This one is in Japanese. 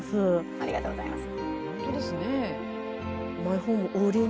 ありがとうございます。